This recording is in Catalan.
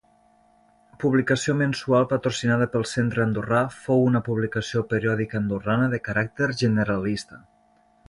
Publicació mensual patrocinada pel Centre Andorrà, fou una publicació periòdica andorrana de caràcter generalista.